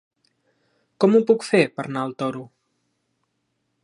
Com ho puc fer per anar al Toro?